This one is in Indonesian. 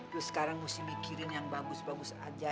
terus sekarang mesti mikirin yang bagus bagus aja